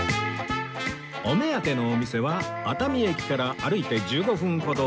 お目当てのお店は熱海駅から歩いて１５分ほど